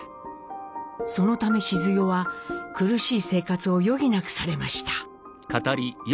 そのためシズヨは苦しい生活を余儀なくされました。